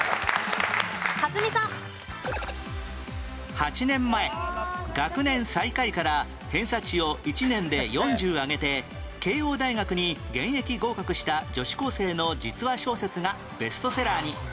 ８年前学年最下位から偏差値を１年で４０上げて慶應大学に現役合格した女子高生の実話小説がベストセラーに